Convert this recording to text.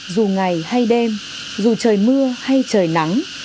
dù ngày hay đêm dù trời mưa hay trời nắng